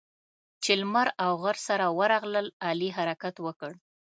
چې لمر او غر سره ورغلل؛ علي حرکت وکړ.